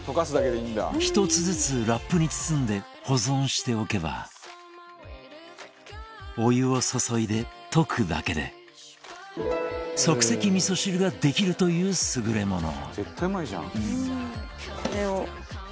１つずつラップに包んで保存しておけばお湯を注いで、溶くだけで即席みそ汁ができるという優れもの。